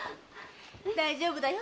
大丈夫だよ。